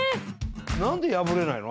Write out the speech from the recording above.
何で破れないの？